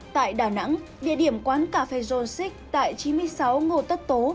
tại đà nẵng địa điểm quán cà phê rô xích tại chín mươi sáu ngô tất tố